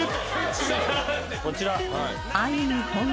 こちら。